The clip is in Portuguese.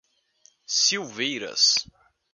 Silveiras